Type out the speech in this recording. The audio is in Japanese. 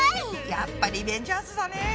やっぱリベンジャーズだね。